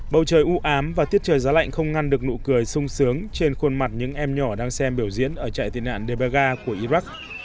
bầu trời ưu ám và tiết trời giá lạnh không ngăn được nụ cười sung sướng trên khuôn mặt những em nhỏ đang xem biểu diễn ở trại tị nạn debaga của iraq